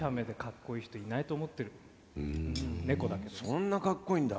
そんなかっこいいんだ？